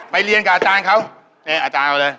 เรียนกับอาจารย์เขาอาจารย์เอาเลย